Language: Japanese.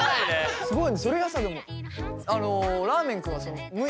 すごいね。